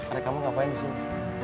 ada kamu ngapain disini